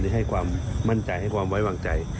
ให้ความมั่นใจให้ความไว้วางใจ